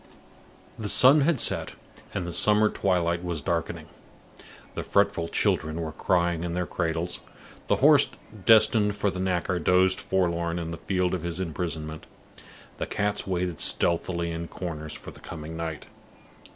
The sun had set, and the summer twilight was darkening. The fretful children were crying in their cradles; the horse destined for the knacker dozed forlorn in the field of his imprisonment; the cats waited stealthily in corners for the coming night.